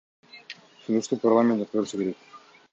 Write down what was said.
Сунушту парламент жактырышы керек.